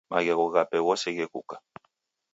Maghegho ghape ghose ghekuka.